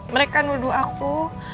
mereka nuduh aku